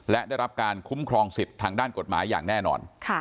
และได้รับการคุ้มครองสิทธิ์ทางด้านกฎหมายอย่างแน่นอน